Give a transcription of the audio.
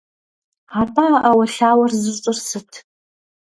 АтӀэ а Ӏэуэлъауэр зыщӀыр сыт?